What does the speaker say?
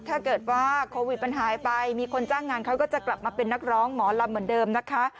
ถ้าเกิดว่าโควิดมันหายไปมีคนจ้างงานเขาก็จะกลับมาเป็นนักร้องหมอลำเหมือนเดิมนะคะ